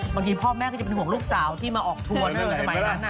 บางทีพ่อแม่ก็จะเป็นห่วงลูกสาวที่มาออกทัวร์เนอะสมัยนั้นน่ะ